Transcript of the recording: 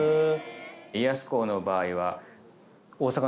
家康公の場合は。